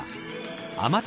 天達